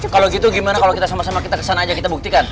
kalau gitu gimana kalau kita sama sama kita kesana aja kita buktikan